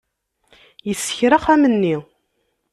Yessekra axxam-nni.